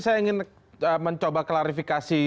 saya ingin mencoba klarifikasi